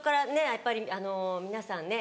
やっぱり皆さん